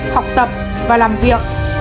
học tập và làm việc